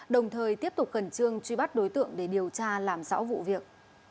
đồng thời tiếp tục khẩn trương truy bắt đối tượng để điều tra làm rõ vụ việc